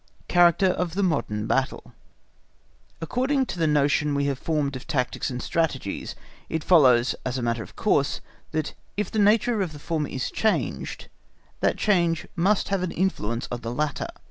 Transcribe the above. Character of a Modern Battle According to the notion we have formed of tactics and strategy, it follows, as a matter of course, that if the nature of the former is changed, that change must have an influence on the latter.